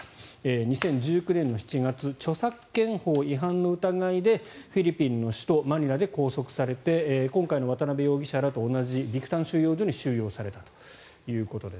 ２０１９年７月著作権法違反の疑いでフィリピンの首都マニラで拘束されて今回の渡邉容疑者らと同じビクタン収容所に収容されたということです。